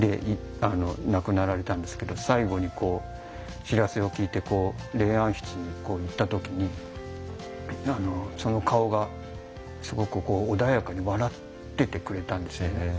亡くなられたんですけど最後に知らせを聞いて霊安室に行ったときにその顔がすごく穏やかに笑っててくれたんですよね。